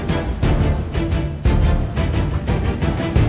เฮ้ยพ่อพี่ที่